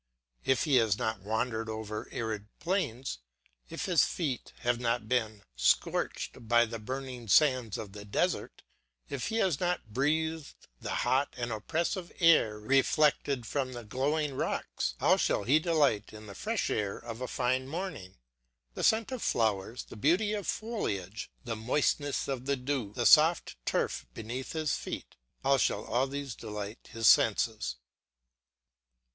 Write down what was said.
If he has not wandered over arid plains, if his feet have not been scorched by the burning sands of the desert, if he has not breathed the hot and oppressive air reflected from the glowing rocks, how shall he delight in the fresh air of a fine morning. The scent of flowers, the beauty of foliage, the moistness of the dew, the soft turf beneath his feet, how shall all these delight his senses.